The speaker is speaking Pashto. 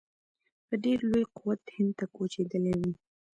په ډېر لوی قوت هند ته کوچېدلي وي.